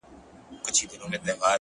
داسي دي سترگي زما غمونه د زړگي ورانوي ـ